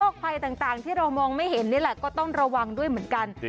ภัยต่างที่เรามองไม่เห็นนี่แหละก็ต้องระวังด้วยเหมือนกัน